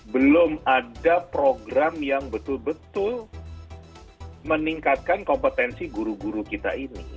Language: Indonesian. belum ada program yang betul betul meningkatkan kompetensi guru guru kita ini